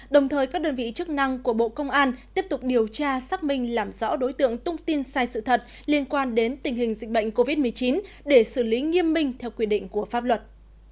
đồng thời các đơn vị chức năng của bộ công an tiếp tục điều tra xác minh làm rõ đối tượng thông tin sai sự thật liên quan đến tình hình dịch bệnh covid một mươi chín để xử lý nghiêm minh theo quy định của pháp luật